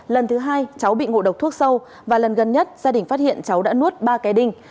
lần thứ hai cháu bị ngộ độc thuốc sâu và lần gần nhất gia đình phát hiện cháu đã nuốt ba cái đinh